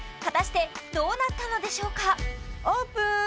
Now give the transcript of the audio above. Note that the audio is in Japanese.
果たしてどうなったのでしょうかオープン！